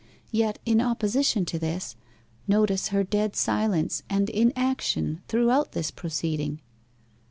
Yet in opposition to this, notice her dead silence and inaction throughout this proceeding.